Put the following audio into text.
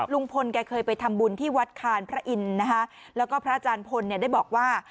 ลุงพลเคยไปทำบุญที่วัดคานพระอินแล้วก็พระอาจารย์พลได้บอกว่า